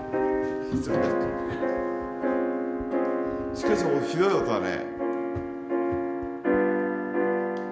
しかしひどい音だね。